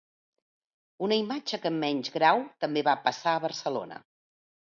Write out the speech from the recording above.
Una imatge que en menys grau també va passar a Barcelona.